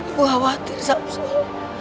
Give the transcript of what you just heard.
ibu khawatir sapsol